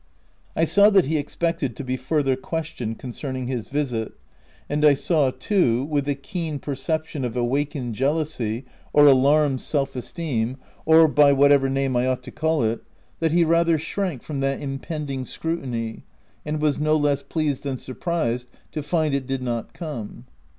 I saw that he expected to be further ques tioned concerning his visit, and I saw too, with 258 THE TENANT the keen perception of awakened jealousy, or alarmed self esteem — or by whatever name I ought to call it — that he rather shrank from that impending scrutiny, and w r as no less pleased than surprised to find it did not come.